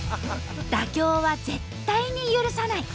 妥協は絶対に許さない！